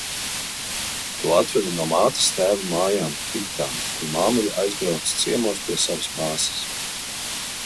"To atveda no mātes tēva mājām "Titkām", kur māmuļa aizbrauca ciemos pie savas māsas."